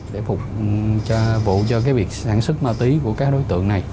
để phục vụ cho việc sản xuất ma túy của các đối tượng này